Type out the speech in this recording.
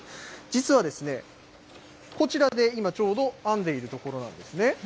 実は、こちらで今ちょうど編んでいるところなんですね。